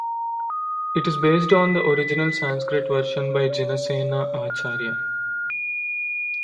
It is based on the original Sanskrit version by Jinasena acharya.